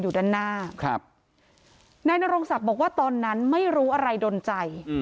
อยู่ด้านหน้าครับนายนรงศักดิ์บอกว่าตอนนั้นไม่รู้อะไรดนใจ